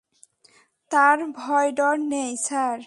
তার ডর-ভয় নেই, স্যার।